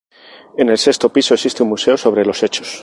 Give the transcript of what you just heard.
En el sexto piso existe un museo sobre los hechos.